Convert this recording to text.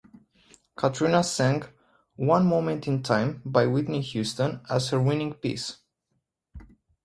Katrina sang "One Moment in Time" by Whitney Houston as her winning piece.